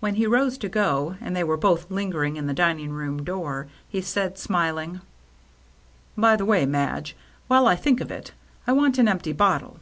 When he rose to go, and they were both lingering in the dining room door, he said, smiling, " By the way, Madge, while I think of it, I want an empty bottle."